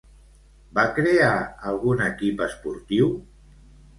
Va crear algun equip esportiu?